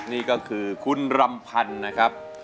นี่ก็คือคุณรำพันธ์นะครับ